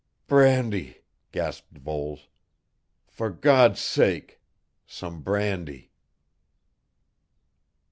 "Brandy," gasped Voles. "For God's sake some brandy."